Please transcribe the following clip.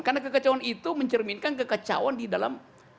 karena kekacauan itu mencerminkan kekacauan di dalam